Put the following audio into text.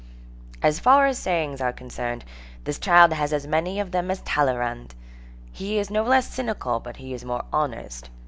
As far as sayings are concerned, this child has as many of them as Talleyrand. He is no less cynical, but he is more honest.